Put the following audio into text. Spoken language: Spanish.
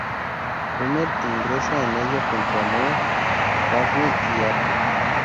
Homer ingresa en ella junto a Moe, Barney y Apu.